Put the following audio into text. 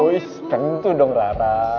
wisss tentu dong rara